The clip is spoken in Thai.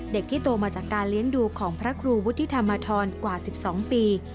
เด็กที่โตมาจากการเลี้ยงดูของพระครูวุฒิธรรมธรกว่า๑๒ปี